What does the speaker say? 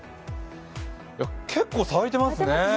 結構咲いてますね。